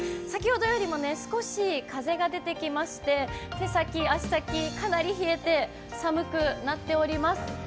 先ほどよりも少し風が出てきまして手先、足先かなり冷えて寒くなっております。